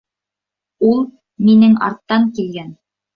— «Ул» минең арттан килгән.